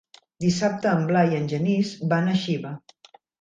Dissabte en Blai i en Genís van a Xiva.